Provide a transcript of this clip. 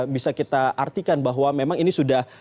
bisa kita artikan bahwa memang ini sudah